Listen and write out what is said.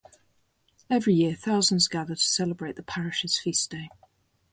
Every year thousands gather to celebrate the parish's feast day.